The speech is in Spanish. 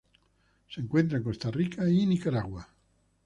Se encuentra en Costa Rica y Nicaragua.